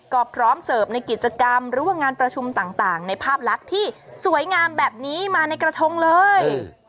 ก็พร้อมเสิร์ฟในกิจกรรมหรือว่างานประชุมต่างในภาพลักษณ์ที่สวยงามแบบนี้มาในกระทงเลย